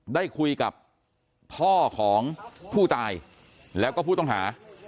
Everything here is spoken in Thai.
ได้คุยกับพ่อของผู้ตายแล้วก็ผู้ต้องหา